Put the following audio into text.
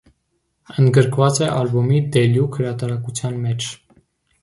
Ընդգրկված է ալբոմի դելյուք հրատարակության մեջ։